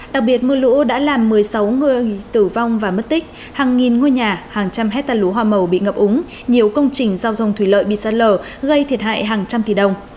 đã làm một mươi sáu người tử vong và mất tích hàng nghìn ngôi nhà hàng trăm hết tàn lũ hoa màu bị ngập úng nhiều công trình giao thông thủy lợi bị sạt lở gây thiệt hại hàng trăm tỷ đồng